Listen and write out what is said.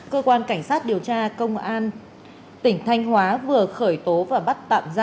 cơ quan cảnh sát điều tra công an tỉnh thanh hóa vừa khởi tố và bắt tạm ra